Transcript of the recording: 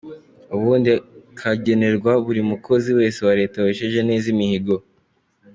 Ubundi kagenerwa buri mukozi wese wa leta wesheje neza imihigo.